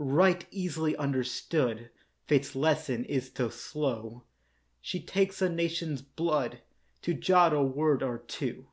Right easily understood Fate's lesson is, tho' slow; She takes a nation's blood To jot a word or two.